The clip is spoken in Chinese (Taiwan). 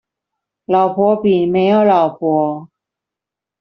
老婆餅裡沒有老婆